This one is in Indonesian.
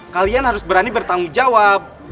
kalian harus berani bertanggung jawab